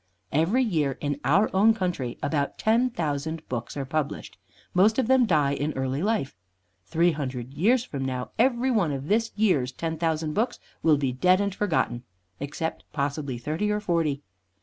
Every year in our own country about ten thousand books are published. Most of them die in early life. Three hundred years from now every one of this year's ten thousand books will be dead and forgotten, except possibly thirty or forty.